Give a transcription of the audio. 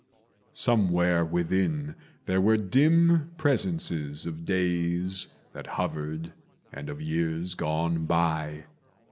Somewhere within there were dim presences Of days that hovered and of years gone by.